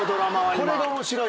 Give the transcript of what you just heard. これが面白いのよ。